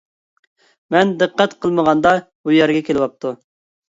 مەن دىققەت قىلمىغاندا، بۇ يەرگە كېلىۋاپتۇ.